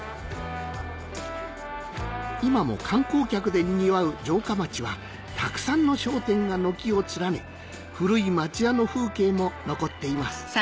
今も観光客でにぎわう城下町はたくさんの商店が軒を連ね古い町家の風景も残っています